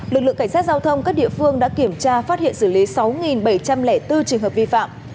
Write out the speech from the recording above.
lực lượng cảnh sát giao thông các địa phương đã kiểm tra phát hiện xử lý sáu bảy trăm linh bốn trường hợp vi phạm